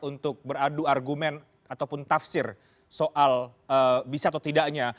untuk beradu argumen ataupun tafsir soal bisa atau tidaknya